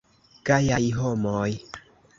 Gajaj homoj.